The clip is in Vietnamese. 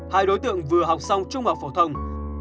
hai đối tượng vừa học xong trung học phổ thông